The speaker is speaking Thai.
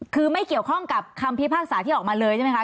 คือไม่เกี่ยวข้องกับคำพิพากษาที่ออกมาเลยใช่ไหมคะ